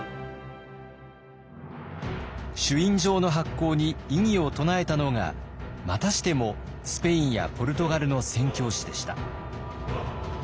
朱印状の発行に異議を唱えたのがまたしてもスペインやポルトガルの宣教師でした。